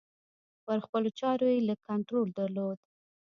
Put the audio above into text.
پر خپلو چارو یې لږ کنترول درلود.